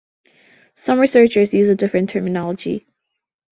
Some researchers use a different terminology.